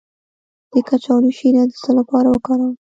د کچالو شیره د څه لپاره وکاروم؟